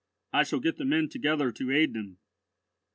I shall get the men together to aid them."